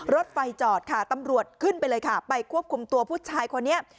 รถไฟจอดค่ะตำรวจขึ้นไปเลยค่ะไปควบคุมตัวผู้ชายคนนี้